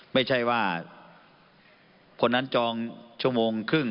ไม่ใช่ว่าคนนั้นจองชั่วโมงครึ่ง